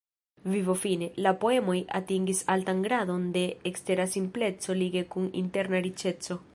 Vivofine, la poemoj atingis altan gradon de ekstera simpleco lige kun interna riĉeco.